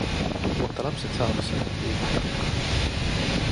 Mutta lapset saunassa eivät liikahdakaan.